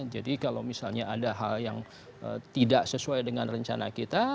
kalau misalnya ada hal yang tidak sesuai dengan rencana kita